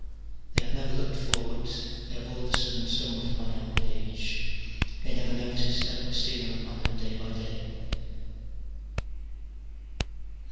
They have never looked forward : they have all of a sudden stumbled upon old age : they never noticed that it was stealing upon them day by day.